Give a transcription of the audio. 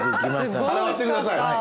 払わしてください。